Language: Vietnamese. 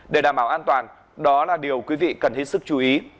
để đảm bảo an toàn đó là điều quý vị cần hết sức chú ý